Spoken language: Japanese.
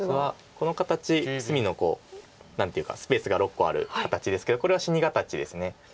この形隅の何ていうかスペースが６個ある形ですけどこれは死形ですね。